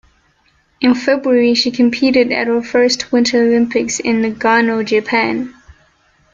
In February, she competed at her first Winter Olympics in Nagano, Japan.